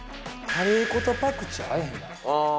カレー粉とパクチー合えへんかな？